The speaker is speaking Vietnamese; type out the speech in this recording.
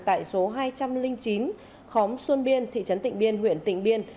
tại số hai trăm linh chín khóm xuân biên thị trấn tịnh biên huyện tịnh biên